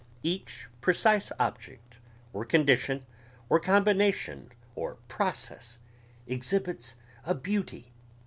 Each precise object or condition or combination or process exhibits a beauty